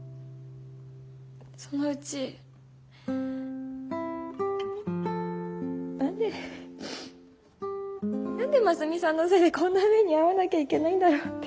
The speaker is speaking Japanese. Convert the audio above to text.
そのうち何で何でますみさんのせいでこんな目に遭わなきゃいけないんだろうって。